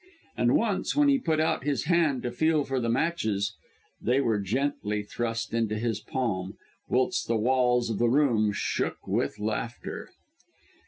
And once when he put out his hand to feel for the matches, they were gently thrust into his palm, whilst the walls of the room shook with laughter.